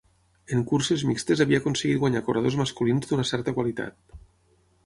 En curses mixtes havia aconseguit guanyar corredors masculins d'una certa qualitat.